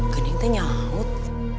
gending tanya laut